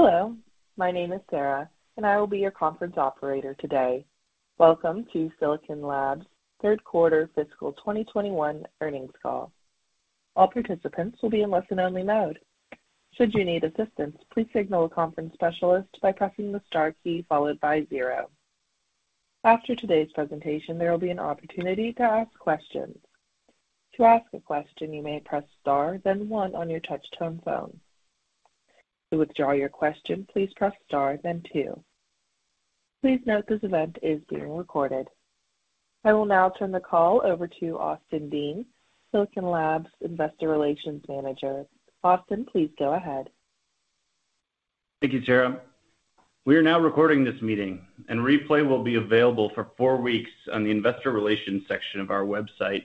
Hello, my name is Sarah, and I will be your conference operator today. Welcome to Silicon Labs' Third Quarter Fiscal 2021 Earnings Call. All participants will be in listen-only mode. Should you need assistance, please signal a conference specialist by pressing the star key followed by zero. After today's presentation, there will be an opportunity to ask questions. To ask a question, you may press star then one on your touch tone phone. To withdraw your question, please press star then two. Please note this event is being recorded. I will now turn the call over to Austin Dean, Silicon Labs' Investor Relations Manager. Austin, please go ahead. Thank you, Sarah. We are now recording this meeting, and replay will be available for four weeks on the investor relations section of our website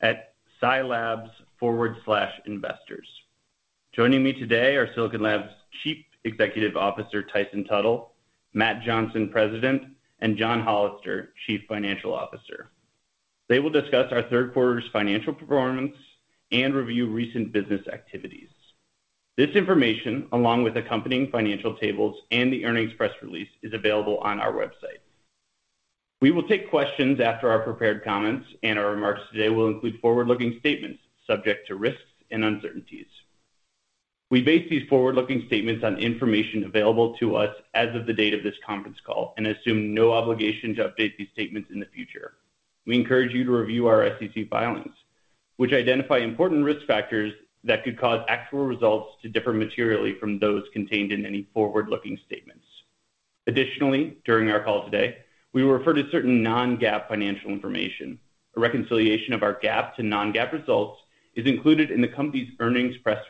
at silabs.com/investors. Joining me today are Silicon Laboratories' Chief Executive Officer, Tyson Tuttle, Matt Johnson, President, and John Hollister, Chief Financial Officer. They will discuss our third quarter's financial performance and review recent business activities. This information, along with accompanying financial tables and the earnings press release, is available on our website. We will take questions after our prepared comments, and our remarks today will include forward-looking statements subject to risks and uncertainties. We base these forward-looking statements on information available to us as of the date of this conference call and assume no obligation to update these statements in the future. We encourage you to review our SEC filings, which identify important risk factors that could cause actual results to differ materially from those contained in any forward-looking statements. Additionally, during our call today, we will refer to certain non-GAAP financial information. A reconciliation of our GAAP to non-GAAP results is included in the company's earnings press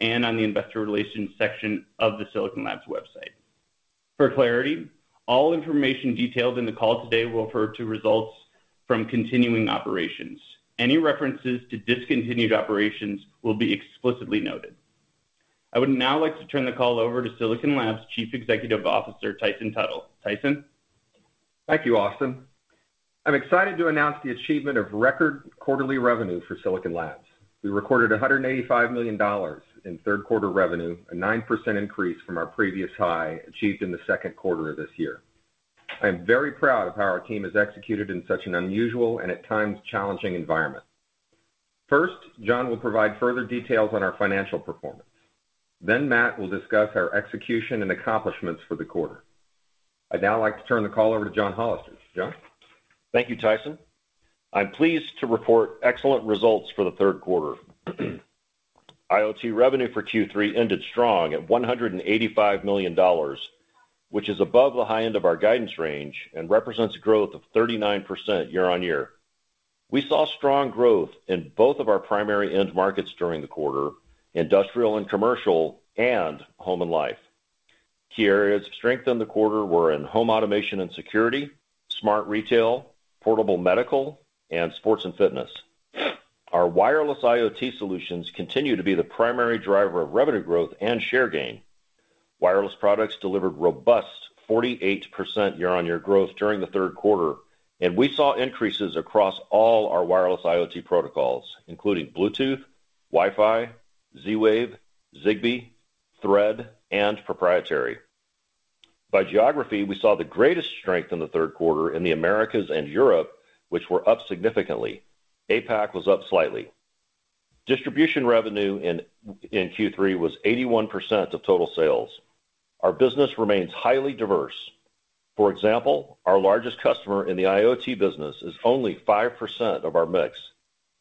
release and on the investor relations section of the Silicon Laboratories website. For clarity, all information detailed in the call today will refer to results from continuing operations. Any references to discontinued operations will be explicitly noted. I would now like to turn the call over to Silicon Laboratories' Chief Executive Officer, Tyson Tuttle. Tyson? Thank you, Austin. I'm excited to announce the achievement of record quarterly revenue for Silicon Laboratories. We recorded $185 million in third quarter revenue, a 9% increase from our previous high achieved in the second quarter of this year. I am very proud of how our team has executed in such an unusual and at times challenging environment. First, John will provide further details on our financial performance, then Matt will discuss our execution and accomplishments for the quarter. I'd now like to turn the call over to John Hollister. John? Thank you, Tyson. I'm pleased to report excellent results for the third quarter. IoT revenue for Q3 ended strong at $185 million, which is above the high end of our guidance range and represents growth of 39% year-over-year. We saw strong growth in both of our primary end markets during the quarter, industrial and commercial and home and life. Key areas of strength in the quarter were in home automation and security, smart retail, portable medical, and sports and fitness. Our wireless IoT solutions continue to be the primary driver of revenue growth and share gain. Wireless products delivered robust 48% year-over-year growth during the third quarter, and we saw increases across all our wireless IoT protocols, including Bluetooth, Wi-Fi, Z-Wave, Zigbee, Thread, and proprietary. By geography, we saw the greatest strength in the third quarter in the Americas and Europe, which were up significantly. APAC was up slightly. Distribution revenue in Q3 was 81% of total sales. Our business remains highly diverse. For example, our largest customer in the IoT business is only 5% of our mix,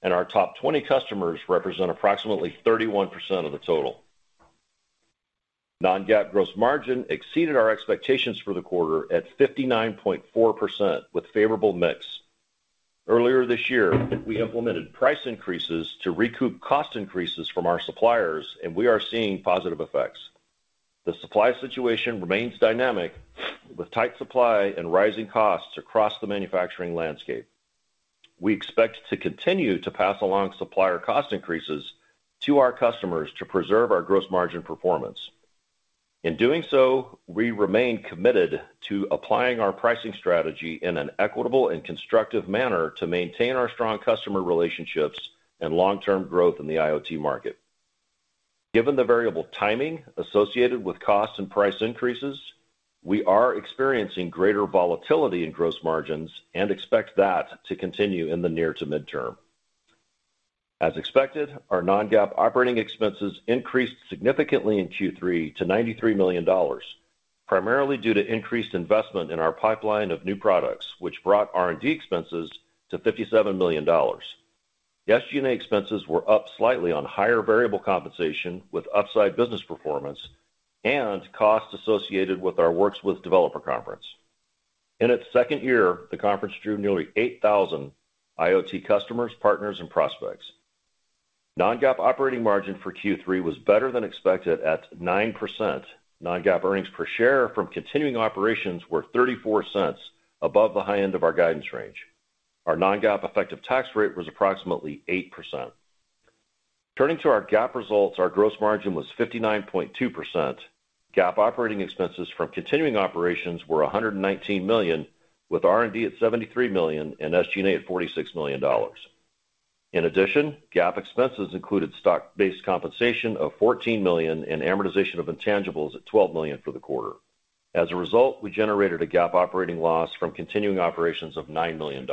and our top 20 customers represent approximately 31% of the total. Non-GAAP gross margin exceeded our expectations for the quarter at 59.4% with favorable mix. Earlier this year, we implemented price increases to recoup cost increases from our suppliers, and we are seeing positive effects. The supply situation remains dynamic with tight supply and rising costs across the manufacturing landscape. We expect to continue to pass along supplier cost increases to our customers to preserve our gross margin performance. In doing so, we remain committed to applying our pricing strategy in an equitable and constructive manner to maintain our strong customer relationships and long-term growth in the IoT market. Given the variable timing associated with cost and price increases, we are experiencing greater volatility in gross margins and expect that to continue in the near to midterm. As expected, our non-GAAP operating expenses increased significantly in Q3 to $93 million, primarily due to increased investment in our pipeline of new products, which brought R&D expenses to $57 million. The SG&A expenses were up slightly on higher variable compensation with upside business performance and costs associated with our Works With Developer Conference. In its second year, the conference drew nearly 8,000 IoT customers, partners, and prospects. Non-GAAP operating margin for Q3 was better than expected at 9%. Non-GAAP earnings per share from continuing operations were $0.34 above the high end of our guidance range. Our non-GAAP effective tax rate was approximately 8%. Turning to our GAAP results, our gross margin was 59.2%. GAAP operating expenses from continuing operations were $119 million, with R&D at $73 million and SG&A at $46 million. In addition, GAAP expenses included stock-based compensation of $14 million and amortization of intangibles at $12 million for the quarter. As a result, we generated a GAAP operating loss from continuing operations of $9 million.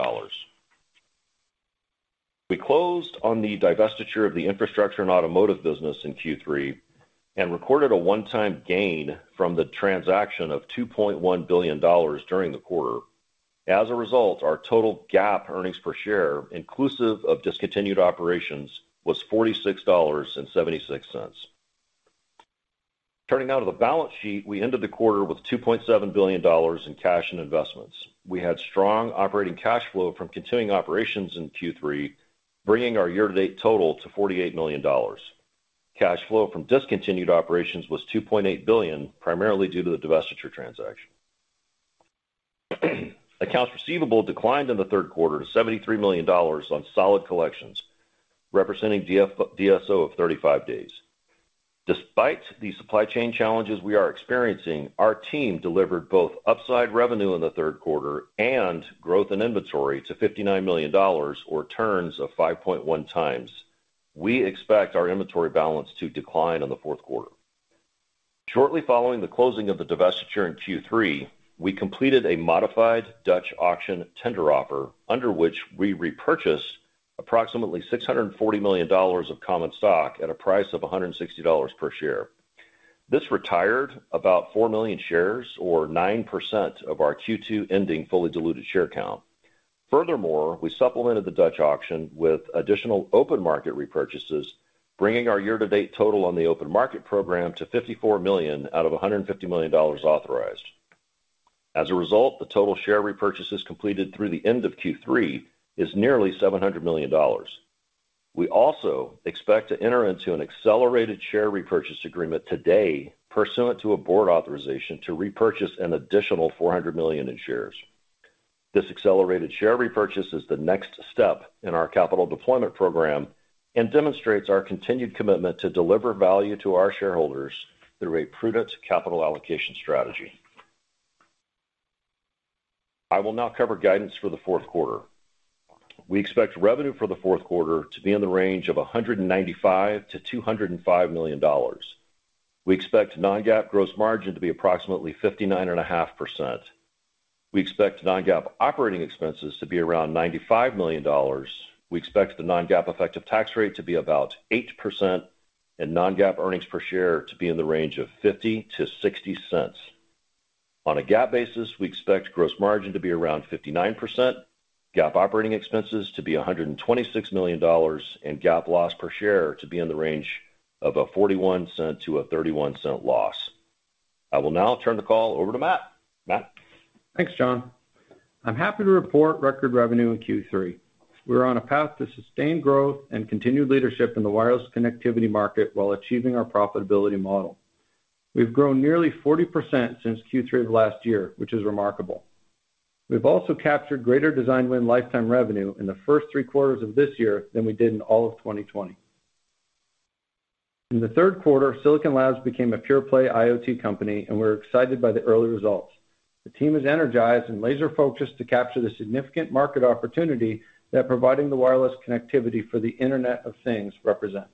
We closed on the divestiture of the infrastructure and automotive business in Q3 and recorded a one-time gain from the transaction of $2.1 billion during the quarter. As a result, our total GAAP earnings per share, inclusive of discontinued operations, was $46.76. Turning now to the balance sheet. We ended the quarter with $2.7 billion in cash and investments. We had strong operating cash flow from continuing operations in Q3, bringing our year-to-date total to $48 million. Cash flow from discontinued operations was $2.8 billion, primarily due to the divestiture transaction. Accounts receivable declined in the third quarter to $73 million on solid collections, representing DSO of 35 days. Despite the supply chain challenges we are experiencing, our team delivered both upside revenue in the third quarter and growth in inventory to $59 million, or turns of 5.1 times. We expect our inventory balance to decline in the fourth quarter. Shortly following the closing of the divestiture in Q3, we completed a modified Dutch auction tender offer, under which we repurchased approximately $640 million of common stock at a price of $160 per share. This retired about 4 million shares or 9% of our Q2 ending fully diluted share count. Furthermore, we supplemented the Dutch auction with additional open market repurchases, bringing our year-to-date total on the open market program to $54 million out of $150 million authorized. As a result, the total share repurchases completed through the end of Q3 is nearly $700 million. We also expect to enter into an accelerated share repurchase agreement today pursuant to a board authorization to repurchase an additional $400 million in shares. This accelerated share repurchase is the next step in our capital deployment program and demonstrates our continued commitment to deliver value to our shareholders through a prudent capital allocation strategy. I will now cover guidance for the fourth quarter. We expect revenue for the fourth quarter to be in the range of $195 million-$205 million. We expect non-GAAP gross margin to be approximately 59.5%. We expect non-GAAP operating expenses to be around $95 million. We expect the non-GAAP effective tax rate to be about 8% and non-GAAP earnings per share to be in the range of $0.50-$0.60. On a GAAP basis, we expect gross margin to be around 59%, GAAP operating expenses to be $126 million, and GAAP loss per share to be in the range of a $0.41-$0.31 loss. I will now turn the call over to Matt. Matt? Thanks, John. I'm happy to report record revenue in Q3. We're on a path to sustained growth and continued leadership in the wireless connectivity market while achieving our profitability model. We've grown nearly 40% since Q3 of last year, which is remarkable. We've also captured greater design win lifetime revenue in the first three quarters of this year than we did in all of 2020. In the third quarter, Silicon Labs became a pure play IoT company, and we're excited by the early results. The team is energized and laser-focused to capture the significant market opportunity that providing the wireless connectivity for the Internet of Things represents.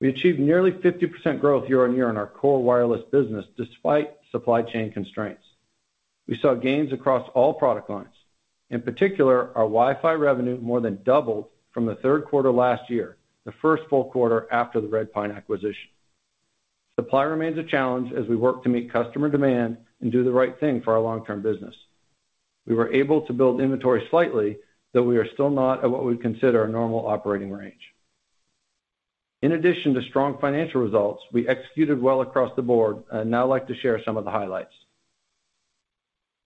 We achieved nearly 50% growth year-on-year in our core wireless business, despite supply chain constraints. We saw gains across all product lines. In particular, our Wi-Fi revenue more than doubled from the third quarter last year, the first full quarter after the Redpine acquisition. Supply remains a challenge as we work to meet customer demand and do the right thing for our long-term business. We were able to build inventory slightly, though we are still not at what we consider a normal operating range. In addition to strong financial results, we executed well across the board and I'd now like to share some of the highlights.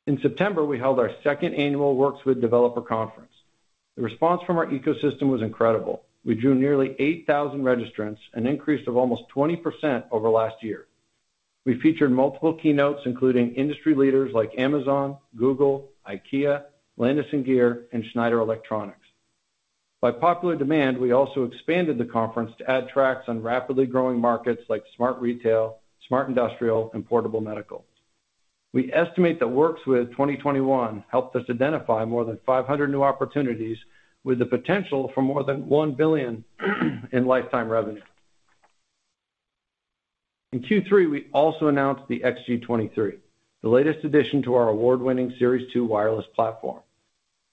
In September, we held our second annual Works With Developer Conference. The response from our ecosystem was incredible. We drew nearly 8,000 registrants, an increase of almost 20% over last year. We featured multiple keynotes, including industry leaders like Amazon, Google, IKEA, Landis+Gyr, and Schneider Electric. By popular demand, we also expanded the conference to add tracks on rapidly growing markets like smart retail, smart industrial, and portable medical. We estimate that Works With 2021 helped us identify more than 500 new opportunities with the potential for more than $1 billion in lifetime revenue. In Q3, we also announced the xG23, the latest addition to our award-winning Series 2 wireless platform.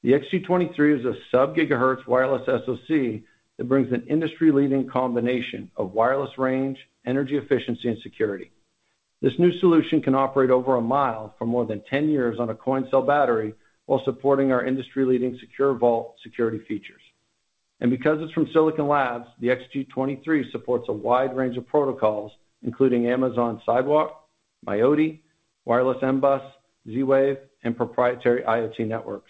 The xG23 is a sub-gigahertz wireless SoC that brings an industry-leading combination of wireless range, energy efficiency, and security. This new solution can operate over a mile for more than 10 years on a coin cell battery while supporting our industry-leading Secure Vault security features. Because it's from Silicon Labs, the xG23 supports a wide range of protocols, including Amazon Sidewalk, mioty, Wireless M-Bus, Z-Wave, and proprietary IoT networks.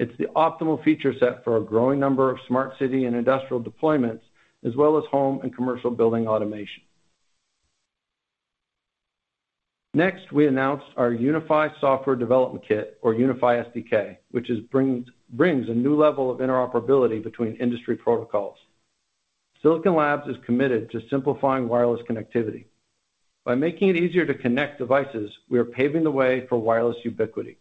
It's the optimal feature set for a growing number of smart city and industrial deployments, as well as home and commercial building automation. Next, we announced our Unify Software Development Kit or Unify SDK, which brings a new level of interoperability between industry protocols. Silicon Labs is committed to simplifying wireless connectivity. By making it easier to connect devices, we are paving the way for wireless ubiquity.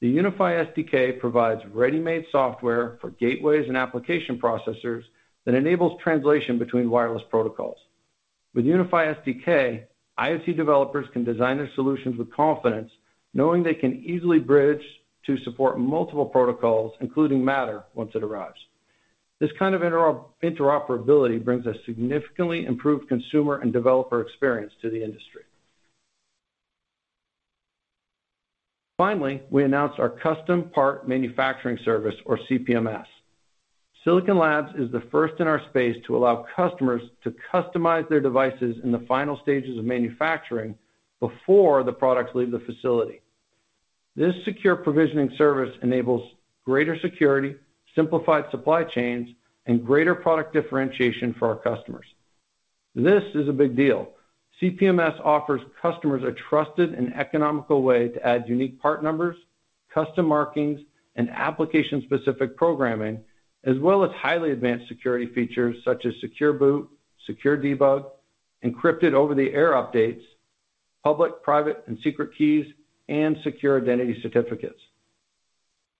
The Unify SDK provides ready-made software for gateways and application processors that enables translation between wireless protocols. With Unify SDK, IoT developers can design their solutions with confidence, knowing they can easily bridge to support multiple protocols, including Matter, once it arrives. This kind of interoperability brings a significantly improved consumer and developer experience to the industry. Finally, we announced our Custom Part Manufacturing Service or CPMS. Silicon Labs is the first in our space to allow customers to customize their devices in the final stages of manufacturing before the products leave the facility. This secure provisioning service enables greater security, simplified supply chains, and greater product differentiation for our customers. This is a big deal. CPMS offers customers a trusted and economical way to add unique part numbers, custom markings, and application-specific programming, as well as highly advanced security features such as secure boot, secure debug, encrypted over-the-air updates, public, private, and secret keys, and secure identity certificates.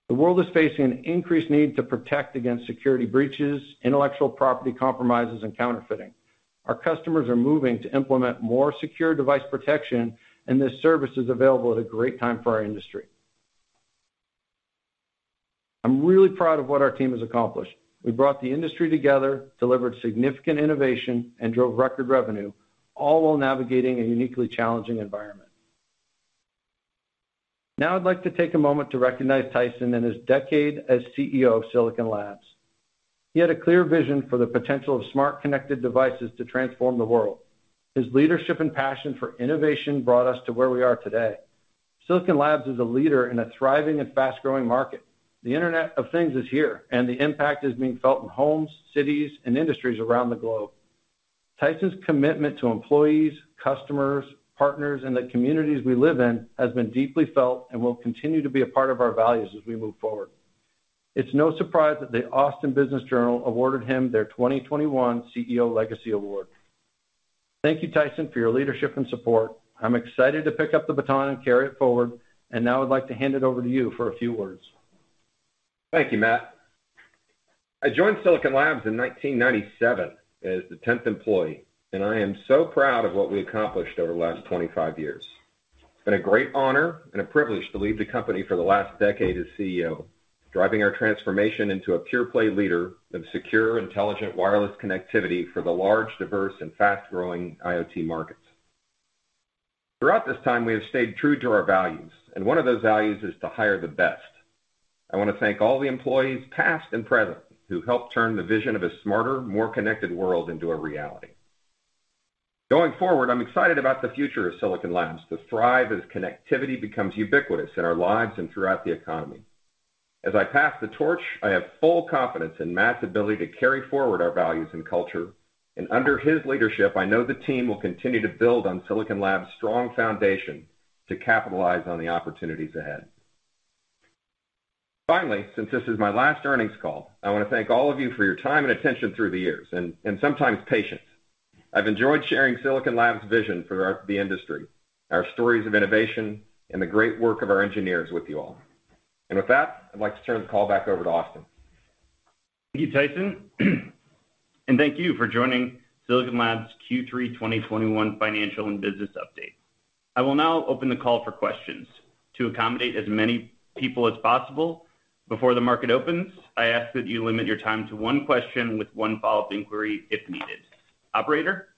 The world is facing an increased need to protect against security breaches, intellectual property compromises, and counterfeiting. Our customers are moving to implement more secure device protection, and this service is available at a great time for our industry. I'm really proud of what our team has accomplished. We brought the industry together, delivered significant innovation, and drove record revenue, all while navigating a uniquely challenging environment. Now I'd like to take a moment to recognize Tyson and his decade as CEO of Silicon Labs. He had a clear vision for the potential of smart connected devices to transform the world. His leadership and passion for innovation brought us to where we are today. Silicon Labs is a leader in a thriving and fast-growing market. The Internet of Things is here, and the impact is being felt in homes, cities, and industries around the globe. Tyson's commitment to employees, customers, partners, and the communities we live in has been deeply felt and will continue to be a part of our values as we move forward. It's no surprise that the Austin Business Journal awarded him their 2021 CEO Legacy Award. Thank you, Tyson, for your leadership and support. I'm excited to pick up the baton and carry it forward, and now I'd like to hand it over to you for a few words. Thank you, Matt. I joined Silicon Laboratories in 1997 as the tenth employee, and I am so proud of what we accomplished over the last 25 years. It's been a great honor and a privilege to lead the company for the last decade as CEO, driving our transformation into a pure play leader of secure, intelligent, wireless connectivity for the large, diverse, and fast-growing IoT markets. Throughout this time, we have stayed true to our values, and one of those values is to hire the best. I wanna thank all the employees, past and present, who helped turn the vision of a smarter, more connected world into a reality. Going forward, I'm excited about the future of Silicon Laboratories to thrive as connectivity becomes ubiquitous in our lives and throughout the economy. As I pass the torch, I have full confidence in Matt's ability to carry forward our values and culture. Under his leadership, I know the team will continue to build on Silicon Laboratories' strong foundation to capitalize on the opportunities ahead. Finally, since this is my last earnings call, I wanna thank all of you for your time and attention through the years and sometimes patience. I've enjoyed sharing Silicon Laboratories' vision for the industry, our stories of innovation, and the great work of our engineers with you all. With that, I'd like to turn the call back over to Austin. Thank you, Tyson. Thank you for joining Silicon Laboratories' Q3 2021 financial and business update. I will now open the call for questions. To accommodate as many people as possible before the market opens, I ask that you limit your time to one question with one follow-up inquiry if needed. Operator?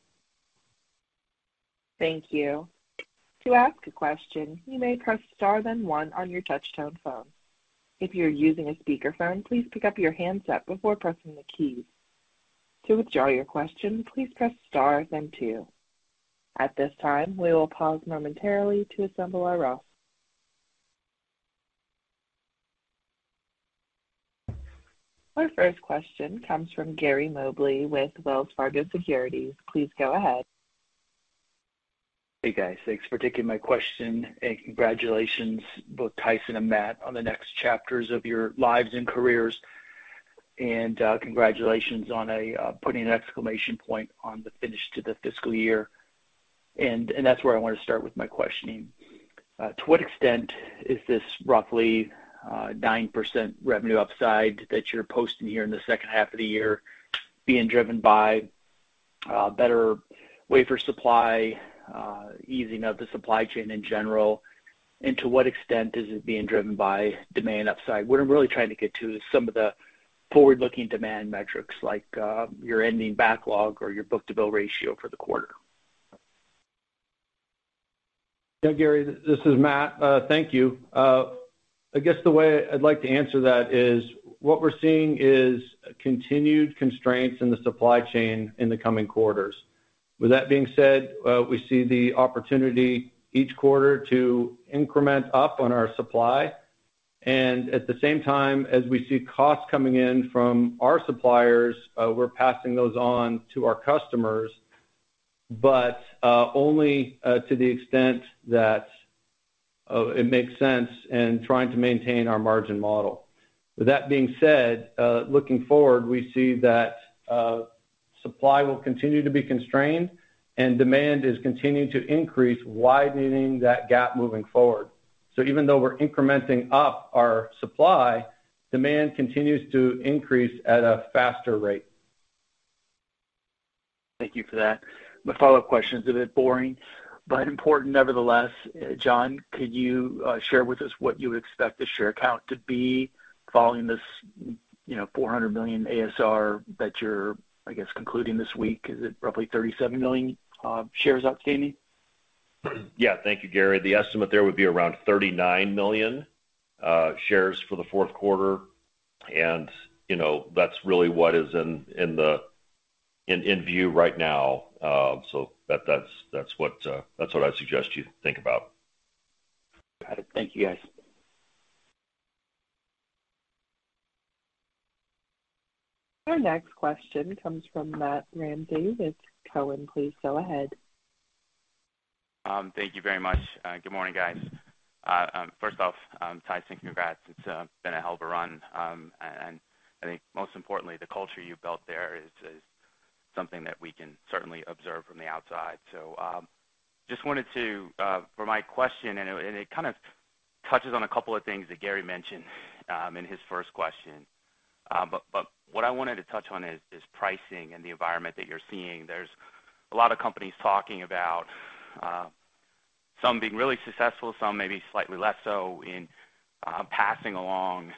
Thank you. To ask a question, you may press star then one on your touch tone phone. If you're using a speakerphone, please pick up your handset before pressing the keys. To withdraw your question, please press star then two. At this time, we will pause momentarily to assemble our queue. Our first question comes from Gary Mobley with Wells Fargo Securities. Please go ahead. Hey, guys. Thanks for taking my question, and congratulations both Tyson and Matt on the next chapters of your lives and careers. Congratulations on putting an exclamation point on the finish to the fiscal year. That's where I wanna start with my questioning. To what extent is this roughly 9% revenue upside that you're posting here in the second half of the year being driven by better wafer supply, easing of the supply chain in general? To what extent is it being driven by demand upside? What I'm really trying to get to is some of the forward-looking demand metrics like your ending backlog or your book-to-bill ratio for the quarter. Yeah, Gary, this is Matt. Thank you. I guess the way I'd like to answer that is, what we're seeing is continued constraints in the supply chain in the coming quarters. With that being said, we see the opportunity each quarter to increment up on our supply. And at the same time, as we see costs coming in from our suppliers, we're passing those on to our customers. Only to the extent that it makes sense in trying to maintain our margin model. With that being said, looking forward, we see that supply will continue to be constrained and demand is continuing to increase, widening that gap moving forward. Even though we're incrementing up our supply, demand continues to increase at a faster rate. Thank you for that. My follow-up question is a bit boring, but important nevertheless. John, could you share with us what you expect the share count to be following this, you know, 400 million ASR that you're, I guess, concluding this week? Is it roughly 37 million shares outstanding? Yeah. Thank you, Gary. The estimate there would be around 39 million shares for the fourth quarter. You know, that's really what is in view right now. That's what I suggest you think about. Got it. Thank you, guys. Our next question comes from Matthew Ramsay with Cowen. Please go ahead. Thank you very much. Good morning, guys. First off, Tyson, congrats. It's been a hell of a run. I think most importantly, the culture you've built there is something that we can certainly observe from the outside. Just wanted to for my question, and it kind of touches on a couple of things that Gary mentioned in his first question. What I wanted to touch on is pricing and the environment that you're seeing. There's a lot of companies talking about some being really successful, some maybe slightly less so in passing along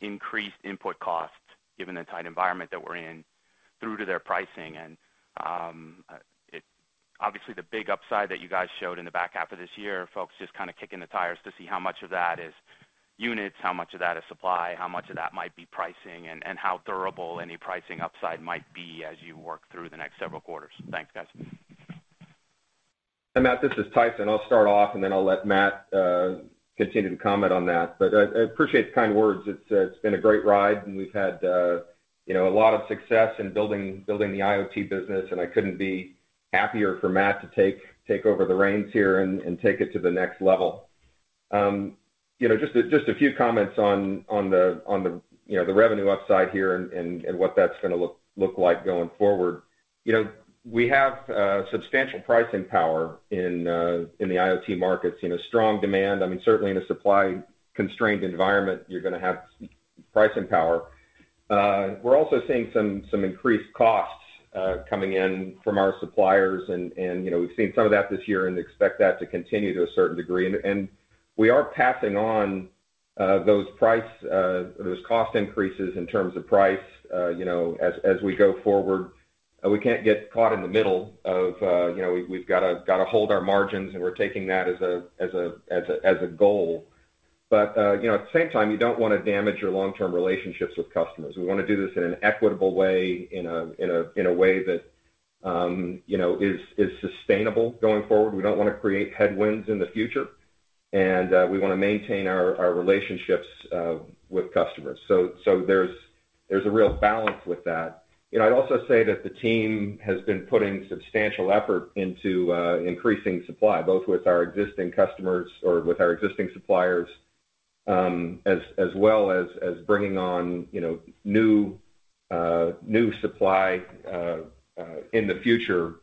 increased input costs, given the tight environment that we're in, through to their pricing. Obviously, the big upside that you guys showed in the back half of this year, folks just kind of kicking the tires to see how much of that is units, how much of that is supply, how much of that might be pricing, and how durable any pricing upside might be as you work through the next several quarters. Thanks, guys. Hey, Matt, this is Tyson. I'll start off, and then I'll let Matt continue to comment on that. I appreciate the kind words. It's been a great ride, and we've had you know, a lot of success in building the IoT business, and I couldn't be happier for Matt to take over the reins here and take it to the next level. You know, just a few comments on the you know, the revenue upside here and what that's gonna look like going forward. You know, we have substantial pricing power in the IoT markets. You know, strong demand. I mean, certainly in a supply-constrained environment, you're gonna have pricing power. We're also seeing some increased costs coming in from our suppliers and, you know, we've seen some of that this year and expect that to continue to a certain degree. We are passing on those cost increases in terms of price, you know, as we go forward. We can't get caught in the middle of, you know. We've gotta hold our margins, and we're taking that as a goal. At the same time, you don't wanna damage your long-term relationships with customers. We wanna do this in an equitable way, in a way that, you know, is sustainable going forward. We don't wanna create headwinds in the future, and we wanna maintain our relationships with customers. There's a real balance with that. You know, I'd also say that the team has been putting substantial effort into increasing supply, both with our existing customers or with our existing suppliers, as well as bringing on new supply in the future.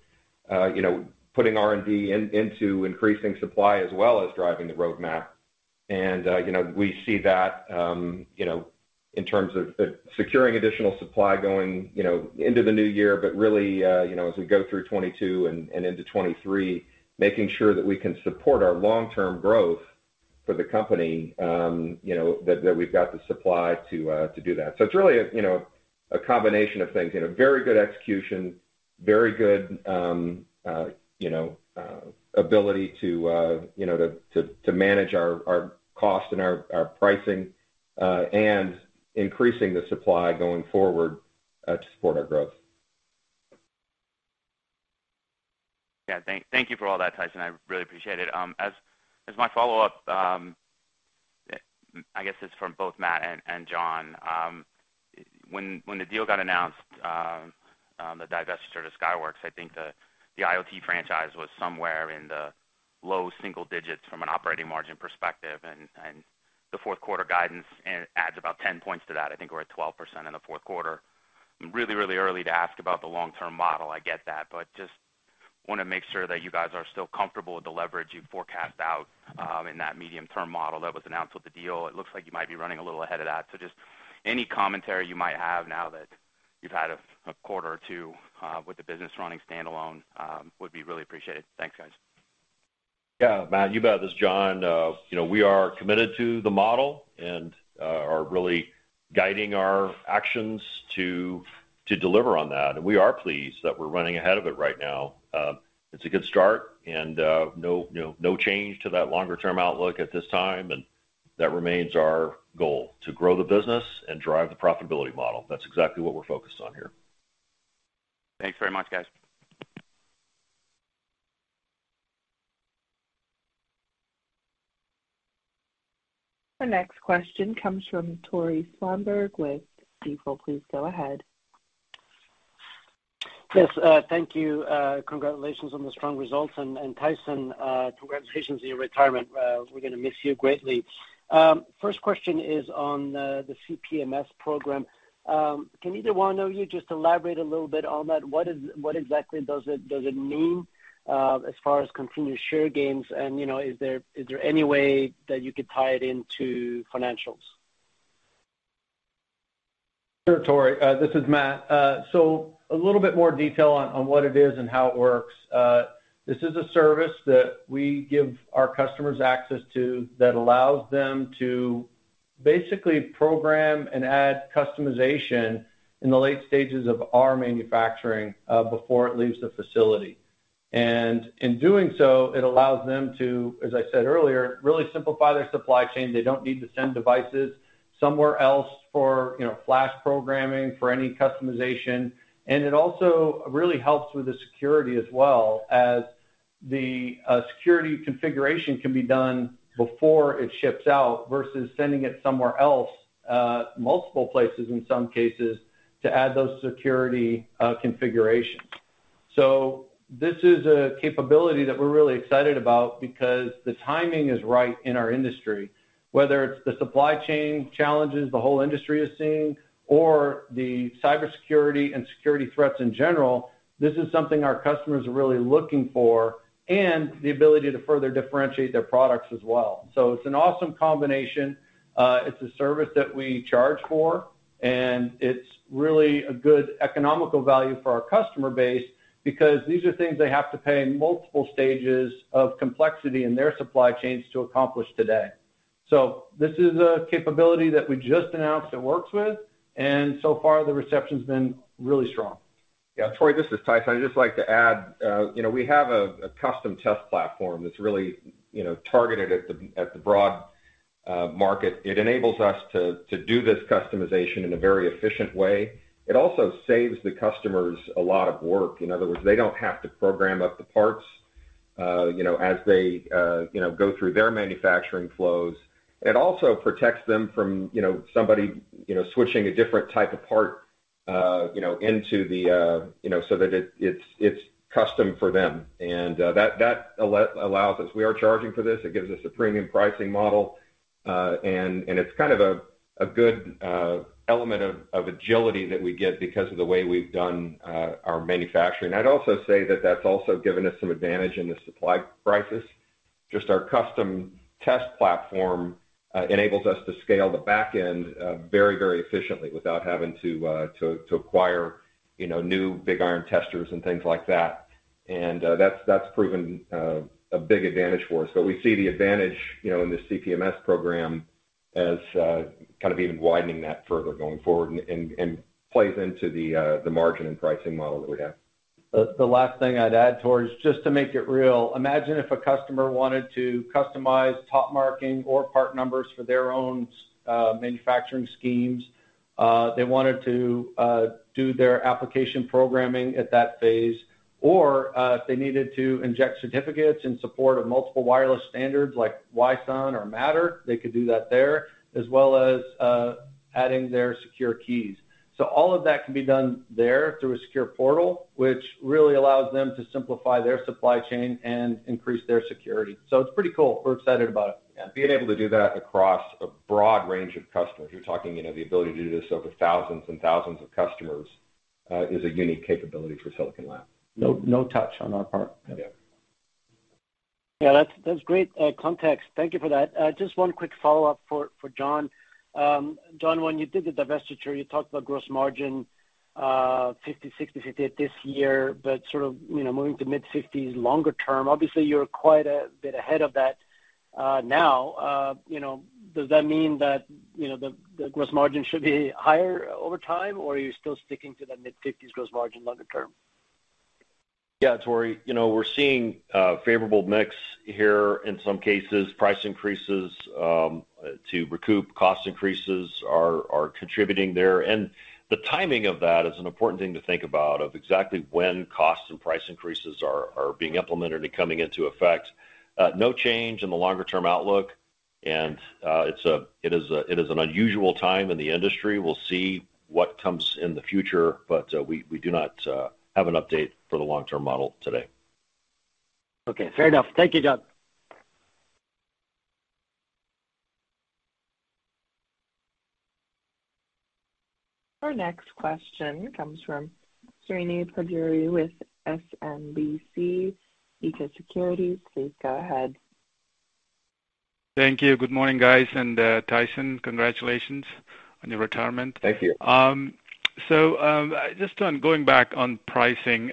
You know, putting R&D into increasing supply as well as driving the roadmap. You know, we see that in terms of securing additional supply going into the new year. Really, you know, as we go through 2022 and into 2023, making sure that we can support our long-term growth for the company, you know, that we've got the supply to do that. It's really a combination of things. You know, very good execution, very good, you know, to manage our cost and our pricing, and increasing the supply going forward, to support our growth. Yeah. Thank you for all that, Tyson. I really appreciate it. As my follow-up, I guess it's for both Matt and John. When the deal got announced, the divestiture to Skyworks, I think the IoT franchise was somewhere in the low single digits from an operating margin perspective. The fourth quarter guidance adds about 10 points to that. I think we're at 12% in the fourth quarter. Really early to ask about the long-term model, I get that. Just wanna make sure that you guys are still comfortable with the leverage you forecast out, in that medium-term model that was announced with the deal. It looks like you might be running a little ahead of that. Just any commentary you might have now that you've had a quarter or two with the business running standalone would be really appreciated. Thanks, guys. Yeah, Matt, you bet. This is John. You know, we are committed to the model and are really guiding our actions to deliver on that. We are pleased that we're running ahead of it right now. It's a good start and you know, no change to that longer term outlook at this time, and that remains our goal to grow the business and drive the profitability model. That's exactly what we're focused on here. Thanks very much, guys. The next question comes from Tore Svanberg with Stifel, Nicolaus & Company Please go ahead. Yes, thank you. Congratulations on the strong results, and Tyson, congratulations on your retirement. We're gonna miss you greatly. First question is on the CPMS program. Can either one of you just elaborate a little bit on that? What exactly does it mean as far as continued share gains? And, you know, is there any way that you could tie it into financials? Sure, Tore. This is Matt. A little bit more detail on what it is and how it works. This is a service that we give our customers access to that allows them to basically program and add customization in the late stages of our manufacturing, before it leaves the facility. In doing so, it allows them to, as I said earlier, really simplify their supply chain. They don't need to send devices somewhere else for, you know, flash programming, for any customization. It also really helps with the security, as well as the security configuration can be done before it ships out versus sending it somewhere else, multiple places in some cases, to add those security configurations. This is a capability that we're really excited about because the timing is right in our industry. Whether it's the supply chain challenges the whole industry is seeing or the cybersecurity and security threats in general, this is something our customers are really looking for and the ability to further differentiate their products as well. It's an awesome combination. It's a service that we charge for, and it's really a good economical value for our customer base because these are things they have to pay multiple stages of complexity in their supply chains to accomplish today. This is a capability that we just announced and works with, and so far the reception's been really strong. Yeah. Tore, this is Tyson. I'd just like to add, you know, we have a custom test platform that's really, you know, targeted at the broad market. It enables us to do this customization in a very efficient way. It also saves the customers a lot of work. In other words, they don't have to program up the parts, you know, as they, you know, go through their manufacturing flows. It also protects them from somebody, you know, switching a different type of part, you know, into the, you know, so that it's custom for them. That allows us. We are charging for this. It gives us a premium pricing model, and it's kind of a good element of agility that we get because of the way we've done our manufacturing. I'd also say that that's also given us some advantage in the supply crisis. Just our custom test platform enables us to scale the back end very efficiently without having to acquire, you know, new big iron testers and things like that. That's proven a big advantage for us. We see the advantage, you know, in this CPMS program as kind of even widening that further going forward and plays into the margin and pricing model that we have. Last thing I'd add, Tore, is just to make it real. Imagine if a customer wanted to customize top marking or part numbers for their own manufacturing schemes. They wanted to do their application programming at that phase, or if they needed to inject certificates in support of multiple wireless standards like Wi-SUN or Matter, they could do that there, as well as adding their secure keys. All of that can be done there through a secure portal, which really allows them to simplify their supply chain and increase their security. It's pretty cool. We're excited about it. Being able to do that across a broad range of customers, you're talking, you know, the ability to do this over thousands and thousands of customers is a unique capability for Silicon Laboratories. No, no touch on our part. Yeah. Yeah, that's great context. Thank you for that. Just one quick follow-up for John. John, when you did the divestiture, you talked about gross margin 50, 60, 68% this year, but sort of, you know, moving to mid-50s longer term. Obviously, you're quite a bit ahead of that now. You know, does that mean that, you know, the gross margin should be higher over time, or are you still sticking to that mid-50s gross margin longer term? Yeah, Tore. You know, we're seeing favorable mix here. In some cases, price increases to recoup cost increases are contributing there. The timing of that is an important thing to think about, of exactly when costs and price increases are being implemented and coming into effect. No change in the longer term outlook, and it's an unusual time in the industry. We'll see what comes in the future, but we do not have an update for the long-term model today. Okay. Fair enough. Thank you, John. Our next question comes from Srini Pajjuri with SMBC Nikko Securities. Please go ahead. Thank you. Good morning, guys. Tyson, congratulations on your retirement. Thank you. Just on going back on pricing,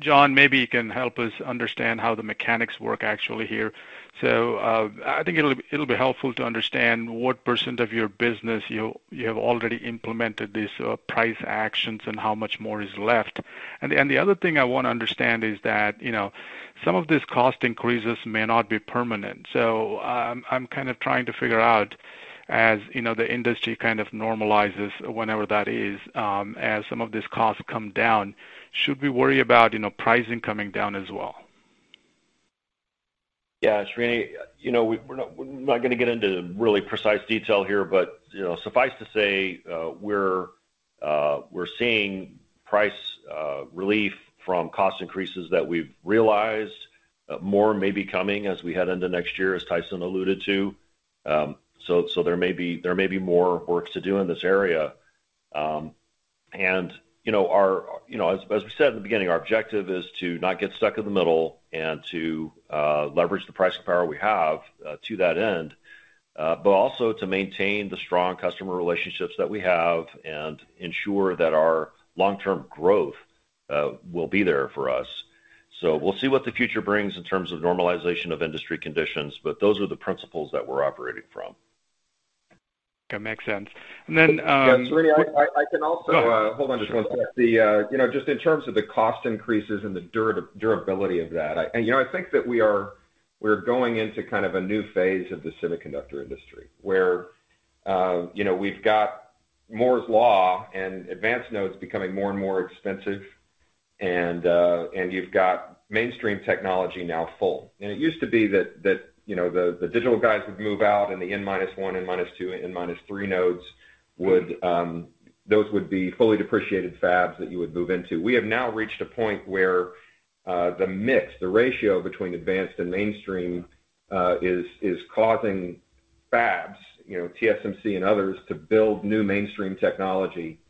John, maybe you can help us understand how the mechanics work actually here. I think it'll be helpful to understand what percent of your business you have already implemented these price actions and how much more is left. And the other thing I wanna understand is that, you know, some of these cost increases may not be permanent. I'm kind of trying to figure out, as, you know, the industry kind of normalizes, whenever that is, as some of these costs come down, should we worry about, you know, pricing coming down as well? Yeah, Srini, you know, we're not gonna get into really precise detail here, but, you know, suffice to say, we're seeing price relief from cost increases that we've realized. More may be coming as we head into next year, as Tyson alluded to. There may be more work to do in this area. You know, as we said in the beginning, our objective is to not get stuck in the middle and to leverage the pricing power we have to that end, but also to maintain the strong customer relationships that we have and ensure that our long-term growth will be there for us. We'll see what the future brings in terms of normalization of industry conditions, but those are the principles that we're operating from. Okay. Makes sense. Yeah, Srini, I can also- Go. Hold on just one sec. You know, just in terms of the cost increases and the durability of that. You know, I think that we're going into kind of a new phase of the semiconductor industry, where you know, we've got Moore's Law and advanced nodes becoming more and more expensive, and you've got mainstream technology now full. It used to be that you know, the digital guys would move out and the N minus one and minus two, N minus three nodes would be fully depreciated fabs that you would move into. We have now reached a point where the mix, the ratio between advanced and mainstream is causing fabs, you know, TSMC and others, to build new mainstream technology,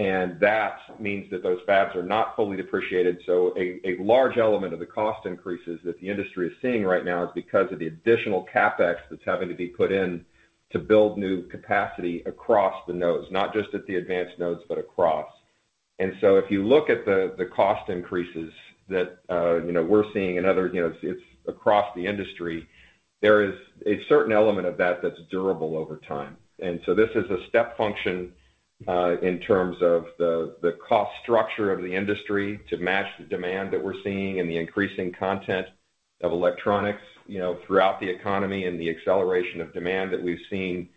and that means that those fabs are not fully depreciated. A large element of the cost increases that the industry is seeing right now is because of the additional CapEx that's having to be put in to build new capacity across the nodes, not just at the advanced nodes, but across. If you look at the cost increases that you know we're seeing and other you know it's across the industry, there is a certain element of that that's durable over time. This is a step function in terms of the cost structure of the industry to match the demand that we're seeing and the increasing content of electronics you know throughout the economy and the acceleration of demand that we've seen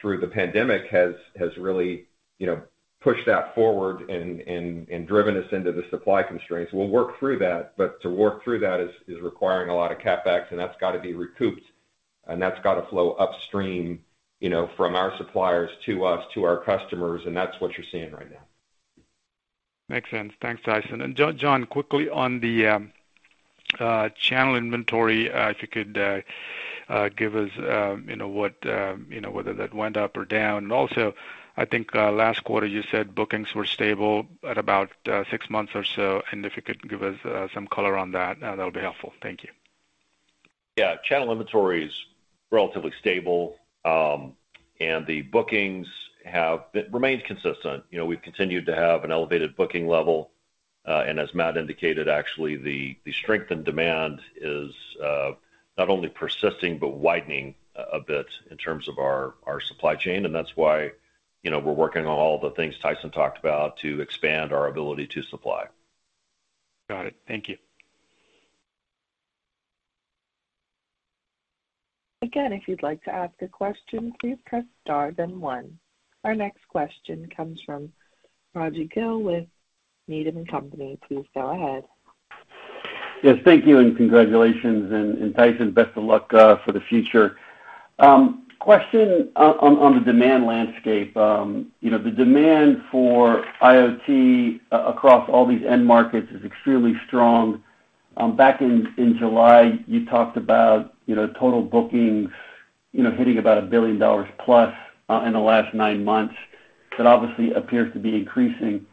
through the pandemic has really you know pushed that forward and driven us into the supply constraints. We'll work through that, but to work through that is requiring a lot of CapEx, and that's got to be recouped, and that's got to flow upstream, you know, from our suppliers to us, to our customers, and that's what you're seeing right now. Makes sense. Thanks, Tyson. John, quickly on the channel inventory, if you could give us, you know, what, you know, whether that went up or down. I think last quarter, you said bookings were stable at about six months or so, and if you could give us some color on that would be helpful. Thank you. Yeah. Channel inventory is relatively stable, and the bookings have remained consistent. You know, we've continued to have an elevated booking level, and as Matt indicated, actually the strength in demand is not only persisting, but widening a bit in terms of our supply chain, and that's why, you know, we're working on all the things Tyson talked about to expand our ability to supply. Got it. Thank you. Again, if you'd like to ask a question, please press star then one. Our next question comes from Raji Gill with Needham & Company. Please go ahead. Yes, thank you, and congratulations, and Tyson, best of luck for the future. Question on the demand landscape. You know, the demand for IoT across all these end markets is extremely strong. Back in July, you talked about total bookings hitting about $1 billion plus in the last nine months. That obviously appears to be increasing.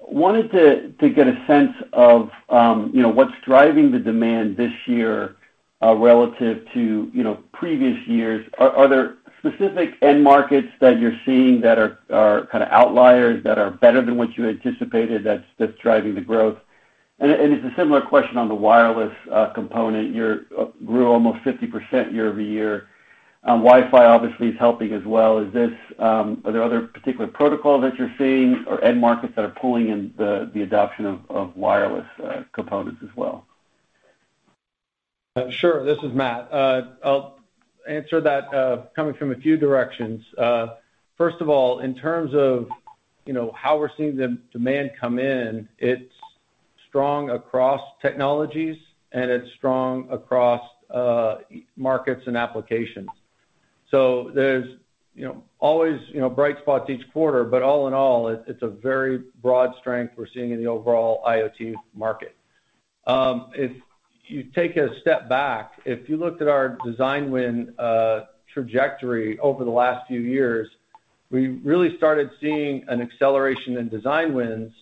Wanted to get a sense of what's driving the demand this year relative to previous years. Are there specific end markets that you're seeing that are kind of outliers, that are better than what you anticipated that's driving the growth? It's a similar question on the wireless component. You grew almost 50% year-over-year. Wi-Fi obviously is helping as well. Is this, are there other particular protocol that you're seeing or end markets that are pulling in the adoption of wireless components as well? Sure. This is Matt. I'll answer that, coming from a few directions. First of all, in terms of, you know, how we're seeing demand come in, it's strong across technologies, and it's strong across markets and applications. There's, you know, always, you know, bright spots each quarter, but all in all, it's a very broad strength we're seeing in the overall IoT market. If you take a step back, if you looked at our design win trajectory over the last few years, we really started seeing an acceleration in design wins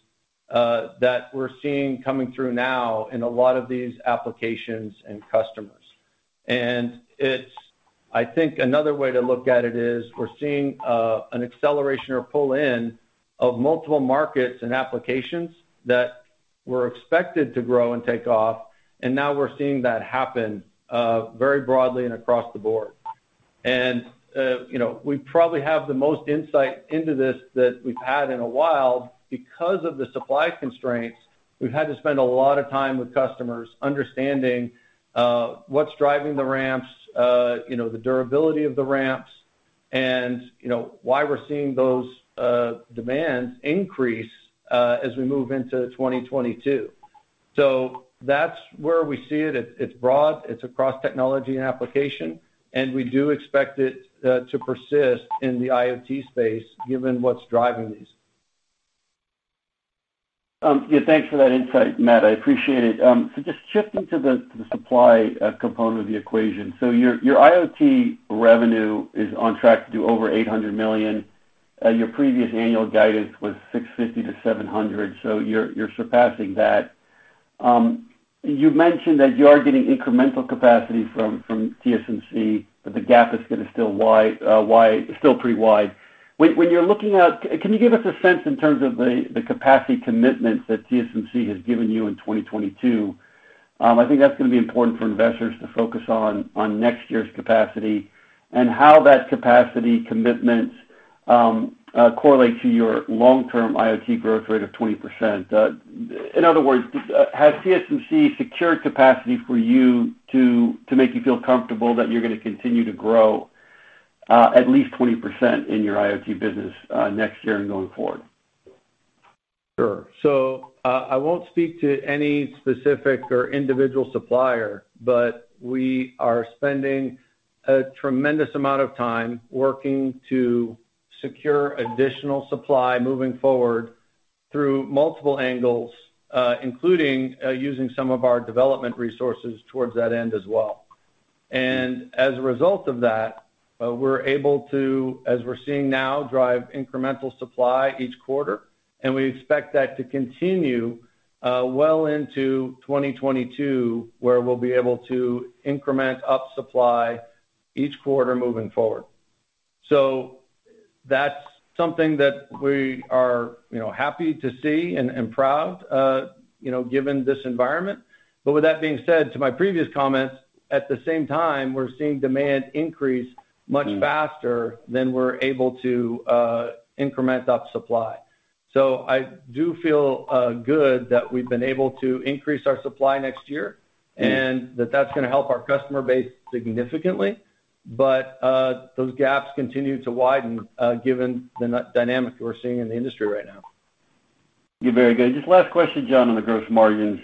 that we're seeing coming through now in a lot of these applications and customers. I think another way to look at it is we're seeing an acceleration or pull-in of multiple markets and applications that were expected to grow and take off, and now we're seeing that happen very broadly and across the board. You know, we probably have the most insight into this that we've had in a while. Because of the supply constraints, we've had to spend a lot of time with customers understanding what's driving the ramps, you know, the durability of the ramps and, you know why we're seeing those demands increase as we move into 2022. That's where we see it. It's broad, it's across technology and application, and we do expect it to persist in the IoT space given what's driving these. Yeah, thanks for that insight, Matt, I appreciate it. Just shifting to the supply component of the equation. Your IoT revenue is on track to do over $800 million. Your previous annual guidance was $650-$700, so you're surpassing that. You've mentioned that you are getting incremental capacity from TSMC, but the gap is gonna still be wide, still pretty wide. When you're looking at, can you give us a sense in terms of the capacity commitments that TSMC has given you in 2022? I think that's gonna be important for investors to focus on next year's capacity and how that capacity commitments correlate to your long-term IoT growth rate of 20%. In other words, has TSMC secured capacity for you to make you feel comfortable that you're gonna continue to grow at least 20% in your IoT business next year and going forward? Sure. I won't speak to any specific or individual supplier, but we are spending a tremendous amount of time working to secure additional supply moving forward through multiple angles, including using some of our development resources towards that end as well. As a result of that, we're able to, as we're seeing now, drive incremental supply each quarter, and we expect that to continue well into 2022, where we'll be able to increment up supply each quarter moving forward. That's something that we are, you know, happy to see and proud, you know, given this environment. With that being said, to my previous comments, at the same time, we're seeing demand increase much faster than we're able to increment up supply. I do feel good that we've been able to increase our supply next year and that that's gonna help our customer base significantly. Those gaps continue to widen, given the dynamic we're seeing in the industry right now. Yeah, very good. Just last question, John, on the gross margins.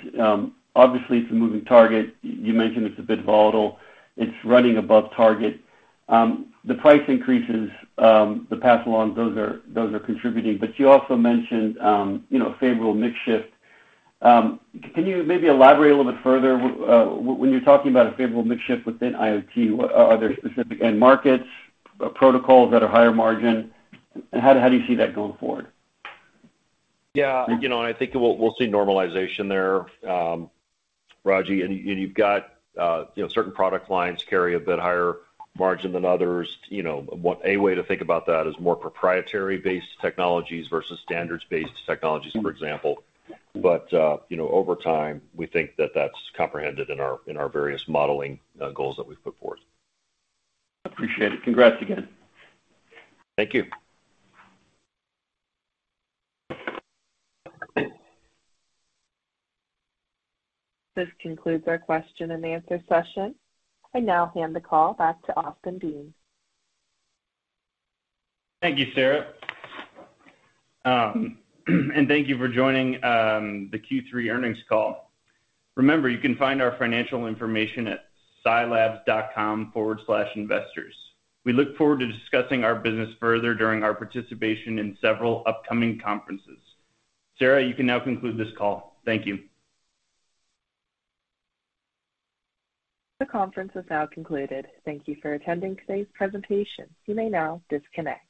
Obviously, it's a moving target. You mentioned it's a bit volatile. It's running above target. The price increases, the pass alongs, those are contributing. But you also mentioned, you know, a favorable mix shift. Can you maybe elaborate a little bit further when you're talking about a favorable mix shift within IoT, what are there specific end markets, protocols that are higher margin? How do you see that going forward? Yeah. You know, I think we'll see normalization there, Raji. You've got, you know, certain product lines carry a bit higher margin than others. You know, a way to think about that is more proprietary-based technologies versus standards-based technologies, for example. You know, over time, we think that that's comprehended in our various modeling goals that we've put forth. Appreciate it. Congrats again. Thank you. This concludes our question and answer session. I now hand the call back to Austin Dean. Thank you, Sarah. Thank you for joining the Q3 Earnings Call. Remember, you can find our financial information at silabs.com/investors. We look forward to discussing our business further during our participation in several upcoming conferences. Sarah, you can now conclude this call. Thank you. The conference is now concluded. Thank you for attending today's presentation. You may now disconnect.